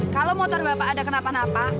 kalau motor bapak ada kenapa napa